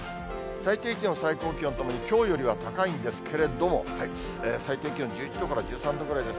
最低気温、最高気温ともにきょうよりは高いんですけれども、最低気温１１度から１３度くらいです。